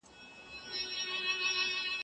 اقتصاد د بیلابیلو تولیدي سیستمونو پرتله کوي.